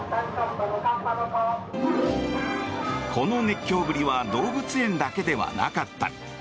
この熱狂ぶりは動物園だけではなかった。